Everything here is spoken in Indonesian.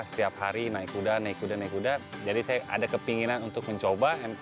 setiap hari naik kuda naik kuda naik kuda jadi saya ada kepinginan untuk mencoba